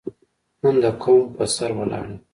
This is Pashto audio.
نن د خپل قوم په سر ولاړ یم.